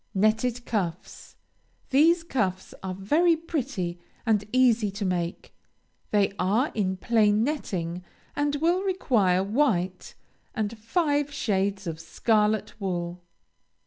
NETTED CUFFS These cuffs are very pretty, and easy to make. They are in plain netting, and will require white, and five shades of scarlet wool.